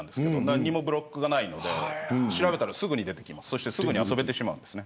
何もブロックがないので調べたらすぐに出てきてすぐに遊べてしまうんです。